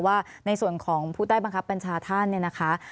ว่าในส่วนของผู้ใต้บังคับบัญชาท่านเนี่ยนะคะ